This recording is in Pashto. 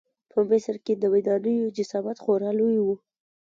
په مصر کې د ودانیو جسامت خورا لوی و.